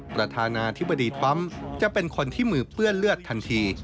ประธานาธิบดีทรัมป์จะเป็นคนที่มือเปื้อนเลือดทันที